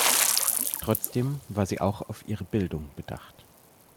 Trotzdem war sie auch auf ihre Bildung bedacht.